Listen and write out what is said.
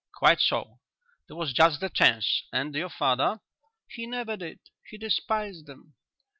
"Quite so; there was just the chance. And your father?" "He never did. He despised them."